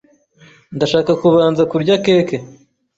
Ndashaka kubanza kurya keke.